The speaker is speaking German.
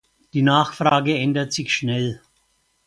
Die Nachfrage ändert sich schnell.